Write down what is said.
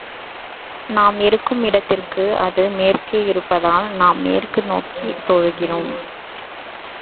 நாம் இருக்கும் இடத்திற்கு அது மேற்கே இருப்பதால், நாம் மேற்கு நோக்கித் தொழுகிறோம்.